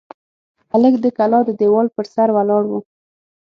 هلک د کلا د دېوال پر سر ولاړ و.